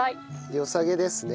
よさげですね。